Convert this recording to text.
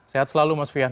sehat selalu mas fian